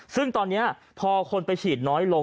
ซึ่งตอนนี้พอคนไปฉีดน้อยลง